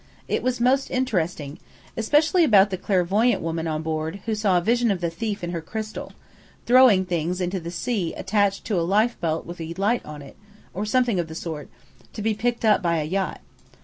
"It was most interesting. Especially about the clairvoyant woman on board who saw a vision of the thief in her crystal, throwing things into the sea attached to a life belt with a light on it, or something of the sort, to be picked up by a yacht.